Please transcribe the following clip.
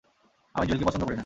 আমি জুয়েলকে পছন্দ করিনা।